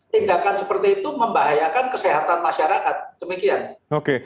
tindakan seperti itu membahayakan kesehatan masyarakat demikian